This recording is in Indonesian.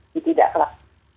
jadi tidak kelak